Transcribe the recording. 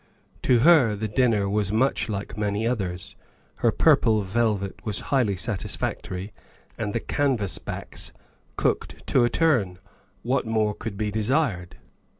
To her the dinner was much like many others; her purple velvet was highly satisfactory and the canvas backs cooked to a turn. What more could be desired?